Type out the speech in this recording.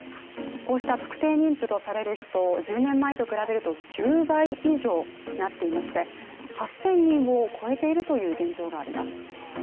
こうした特定妊婦とされる人、１０年前と比べると９倍以上になっていまして、８０００人を超えているという現状があります。